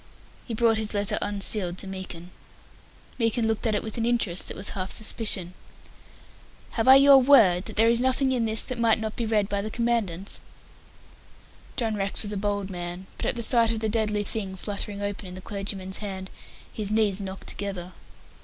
He brought his letter unsealed to Meekin. Meekin looked at it with an interest that was half suspicion. "Have I your word that there is nothing in this that might not be read by the Commandant?" John Rex was a bold man, but at the sight of the deadly thing fluttering open in the clergyman's hand, his knees knocked together.